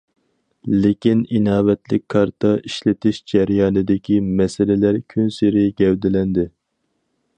لېكىن ئىناۋەتلىك كارتا ئىشلىتىش جەريانىدىكى مەسىلىلەر كۈنسېرى گەۋدىلەندى.